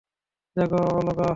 জাগো, অলগা।